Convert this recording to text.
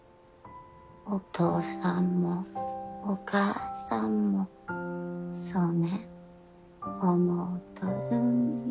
お父さんもお母さんもそねん思うとるんよ。